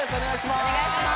お願いします。